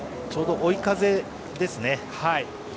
ちょうど追い風ですね。